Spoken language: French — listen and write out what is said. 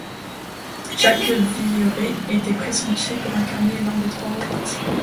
Jacques Villeret était pressenti pour incarner l'un des trois rôles principaux.